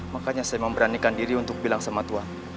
makanya saya memberanikan diri untuk bilang sama tuhan